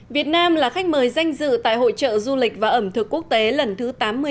việt nam là khách mời danh dự tại hội trợ du lịch và ẩm thực quốc tế lần thứ tám mươi